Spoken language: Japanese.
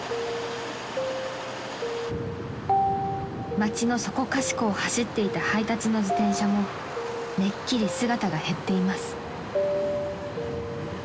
［街のそこかしこを走っていた配達の自転車もめっきり姿が減っています］